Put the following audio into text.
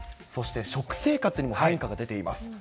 そして食生活にも変化が出ています。